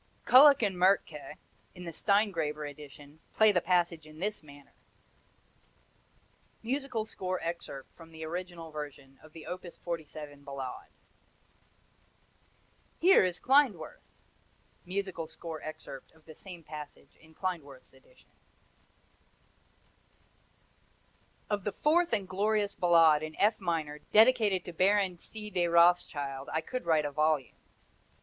Kullak and Mertke, in the Steingraber edition, play the passage in this manner: [Musical score excerpt from the original version of the Op. 47. Ballade] Here is Klindworth: [Musical score excerpt of the same passage in Klindworth's edition] Of the fourth and glorious Ballade in F minor dedicated to Baronne C. de Rothschild I could write a volume.